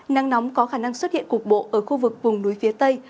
nắng nóng có khả năng xuất hiện cục bộ ở khu vực vùng núi phía tây